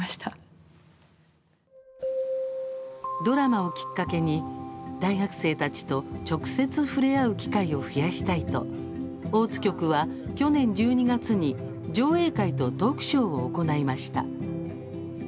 ドラマをきっかけに大学生たちと直接触れ合う機会をやしたいと大津局は去年１２月に上映会とトークショーを行いました。